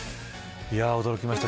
驚きました。